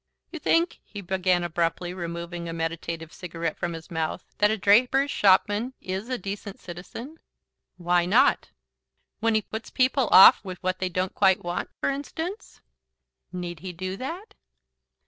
"Ju think," he began abruptly, removing a meditative cigarette from his mouth, "that a draper's shopman IS a decent citizen?" "Why not?" "When he puts people off with what they don't quite want, for instance?" "Need he do that?"